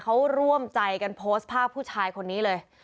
เขาร่วมใจกันโพสต์ภาพผู้ชายคนนี้เลย